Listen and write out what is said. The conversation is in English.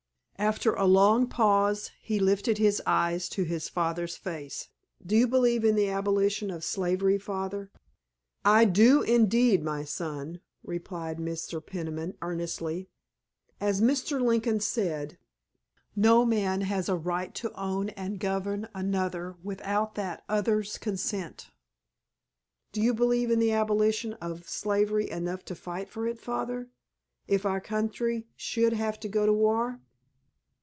After a long pause he lifted his eyes to his father's face. "Do you believe in the abolition of slavery, Father?" "I do indeed, my son," replied Mr. Peniman earnestly. "As Mr. Lincoln said 'No man has a right to own and govern another without that other's consent.'" "Do you believe in the abolition of slavery enough to fight for it, Father,—if our country should have to go to war?"